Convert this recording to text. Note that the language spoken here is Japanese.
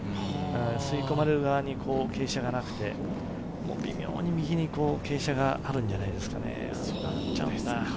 吸い込まれる側に傾斜がなくて、微妙に右に傾斜があるんじゃないですかね。